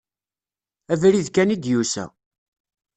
Abrid kan i d-yusa.